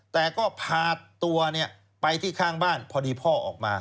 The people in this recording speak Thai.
แต่ก็พาตัวไปที่ข้างบ้านพอดีพ่อออกมา